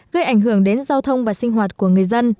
gây ảnh hưởng đến giao thông và sinh hoạt của người dân